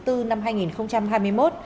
hai mươi hai tháng bốn năm hai nghìn hai mươi một